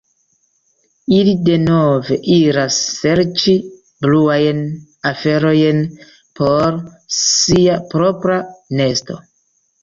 Ili denove iras serĉi bluajn aferojn por sia propra nesto.